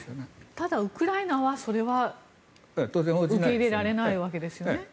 ただウクライナは、それは受け入れられないわけですよね。